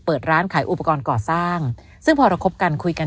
เปิดร้านขายอุปกรณ์ก่อสร้างซึ่งพอเราคบกันคุยกัน